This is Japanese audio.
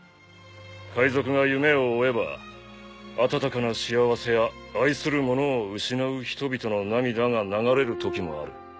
海賊が夢を追えば温かな幸せや愛する者を失う人々の涙が流れるときもある。